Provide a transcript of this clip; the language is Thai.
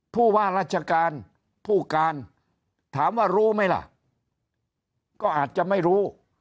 ผู้ว่าราชการผู้การถามว่ารู้ไหมล่ะก็อาจจะไม่รู้